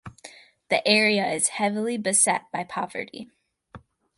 The area is heavily beset by poverty.